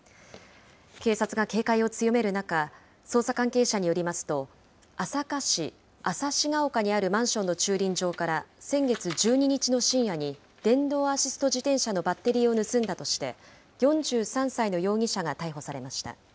警察が警戒を強める中、捜査関係者によりますと、朝霞市朝志ヶ丘にあるマンションの駐車場から先月１２日の深夜に電動アシスト自転車のバッテリーを盗んだとして、４３歳の容疑者が逮捕されました。